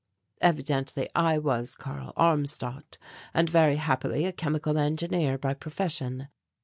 Evidently I was Karl Armstadt and very happily a chemical engineer by profession.